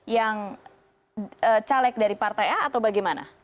yang caleg dari partai a atau bagaimana